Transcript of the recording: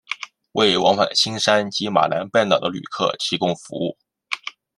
为往返新山及马来半岛的旅客提供服务。